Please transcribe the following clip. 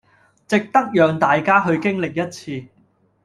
值得讓大家去經歷一次